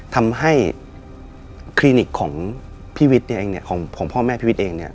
ทำให้คลินิกของพี่วิทย์เนี่ยเองเนี่ยของพ่อแม่พี่วิทย์เองเนี่ย